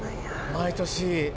毎年。